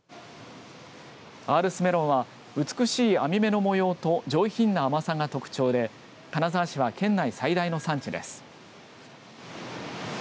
アールスメロンは美しい網目の模様と上品な甘さが特徴で金沢市は県内最大の産地です。